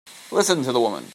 Listen to the woman!